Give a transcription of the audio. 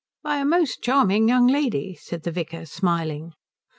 "By a most charming young lady," said the vicar, smiling.